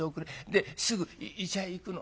ですぐ医者へ行くの。